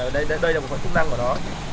đây là một phần tốc năng của nó